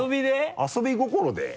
遊び心で？